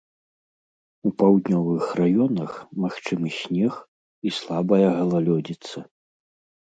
У паўднёвых раёнах магчымы снег і слабая галалёдзіца.